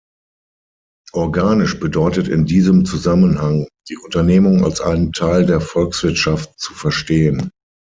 Organisch bedeutet in diesem Zusammenhang, die Unternehmung als einen Teil der Volkswirtschaft zu verstehen.